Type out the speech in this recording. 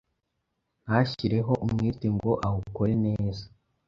ntashyireho umwete ngo awukore neza,